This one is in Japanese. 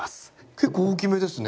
結構大きめですね。